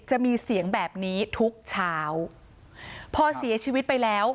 จะมีเสียงแบบนี้ทุกเช้าพอเสียชีวิตไปแล้ว